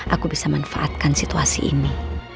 aku bisa manfaatkan situasi ini